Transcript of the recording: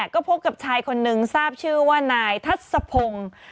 ก็พบกับชายคนนึงทราบชื่อว่านายทัศพงศ์